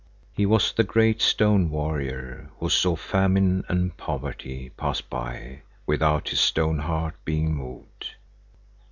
He was the great stone warrior who saw famine and poverty pass by without his stone heart being moved.